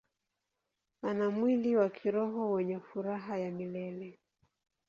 Ana mwili wa kiroho wenye furaha ya milele.